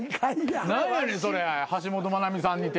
何やねんそれ橋本マナミさんにって。